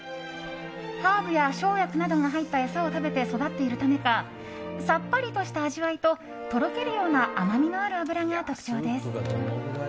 ハーブや生薬などが入った餌を食べて育っているためかさっぱりとした味わいととろけるような甘みのある脂が特徴です。